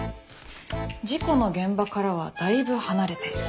事故の現場からはだいぶ離れている。